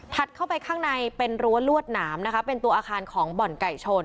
เข้าไปข้างในเป็นรั้วลวดหนามนะคะเป็นตัวอาคารของบ่อนไก่ชน